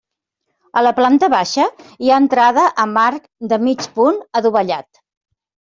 A la planta baixa, hi ha entrada amb arc de mig punt adovellat.